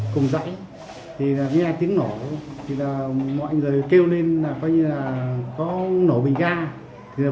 cùng dãy nghe tiếng nổ mọi người kêu lên có nổ bình ga